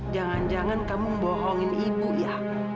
jangan jangan kamu membohongin ibu ya